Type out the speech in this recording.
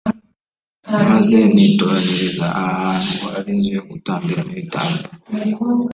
maze nitoraniriza aha hantu ngo habe inzu yo gutambiramo ibitambo